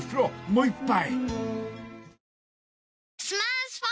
もう一杯］